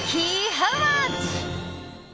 ハウマッチ！